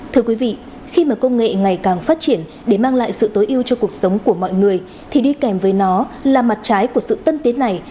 thưa quý vị khi mà công nghệ ngày càng phát triển để mang lại sự tối ưu cho cuộc sống của mọi người thì đi kèm với nó là mặt trái của sự tân tiến này